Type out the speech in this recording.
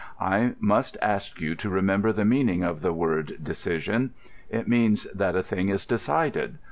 I must ask you to remember the meaning of the word decision. It means that a thing is decided.